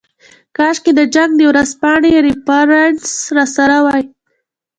کاشکې د جنګ د ورځپاڼې ریفرنس راسره وای.